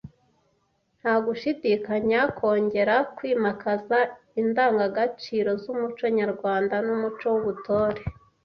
Nta gushidikanya, kongera kwimakaza indangagaciro z’umuco nyarwanda n’umuco w’ubutore